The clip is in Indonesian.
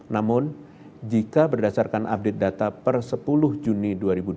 namun jika berdasarkan update data per sepuluh juni dua ribu dua puluh